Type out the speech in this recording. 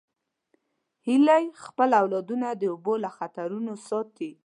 هیلۍ خپل اولادونه د اوبو له خطرونو ساتي